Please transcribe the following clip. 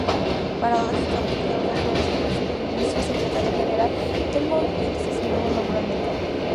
Paradójicamente, Adolfo Suárez había sido Ministro-Secretario general del Movimiento hasta su nuevo nombramiento.